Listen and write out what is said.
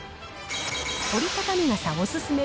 折りたたみ傘おすすめ